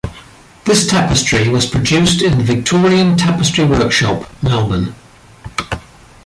This tapestry was produced in the Victorian Tapestry Workshop, Melbourne.